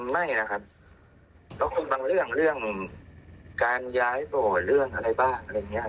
ไม่นะครับก็คงบางเรื่องเรื่องการย้ายบ่อเรื่องอะไรบ้างอะไรอย่างนี้